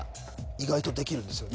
意外とできるんですよね